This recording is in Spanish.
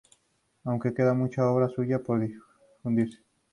Aún queda mucha obra suya por difundirse.